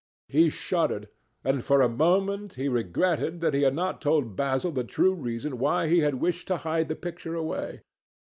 He shuddered, and for a moment he regretted that he had not told Basil the true reason why he had wished to hide the picture away.